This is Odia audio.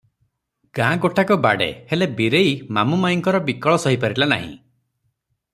ଗାଁ ଗୋଟାକ ବାଡ଼େ, ହେଲେ ବୀରେଇ ମାମୁ ମାଇଁଙ୍କର ବିକଳ ସହିପାରିଲା ନାହିଁ ।